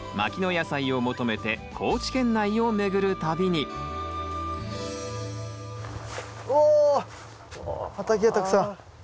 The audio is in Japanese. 野菜を求めて高知県内を巡る旅にお畑がたくさん。